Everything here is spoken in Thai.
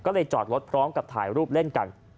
ก็เลยจอดรถพร้อมกับถ่ายรูปเล่นกัน